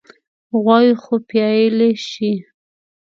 غواوې خو پيايلی شي.